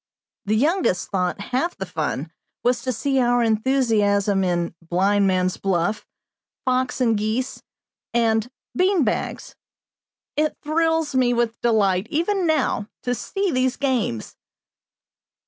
The youngest thought half the fun was to see our enthusiasm in "blindman's buff," "fox and geese," and "bean bags." It thrills me with delight, even now, to see these games!